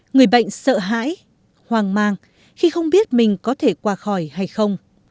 người bệnh sợ hãi hoang mang khi không biết mình có thể qua khỏi hay không